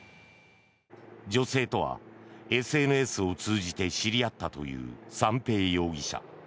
女性とはＳＮＳを通じて知り合ったという三瓶容疑者。